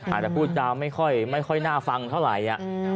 อาจจะพูดจาไม่ค่อยน่าฟังเท่าไหร่